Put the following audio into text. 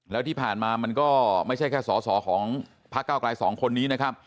แล้วที่ผ่านมามันก็ไม่ใช่แค่สอสอของพักเก้าไกลสองคนนี้นะครับ